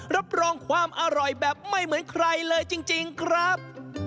รับรองความอร่อยแบบไม่เหมือนใครเลยจริงครับ